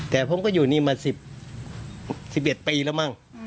แต่ผมก็อยู่นี้มาประมาณ๑๑ปีแล้ว